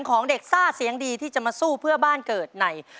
ของเด็กซ่าเสียงดีที่จะมาสู้เพื่อบ้านเกิดใน